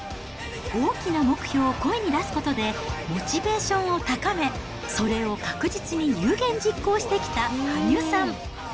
大きな目標を声に出すことで、モチベーションを高め、それを確実に有言実行してきた羽生さん。